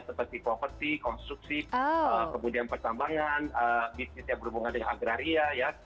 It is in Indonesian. seperti properti konstruksi kemudian pertambangan bisnis yang berhubungan dengan agraria ya